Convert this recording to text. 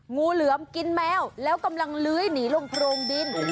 งูเหลือมกินแมวแล้วกำลังเลื้อยหนีลงโพรงดิน